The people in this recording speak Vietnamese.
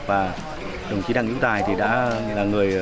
và đồng chí đặng hữu tài thì đã là người